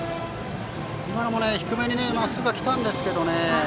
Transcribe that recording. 今のも低めにまっすぐが来たんですけどね。